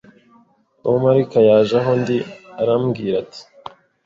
Umumarayika yaje aho ndi arambwira ati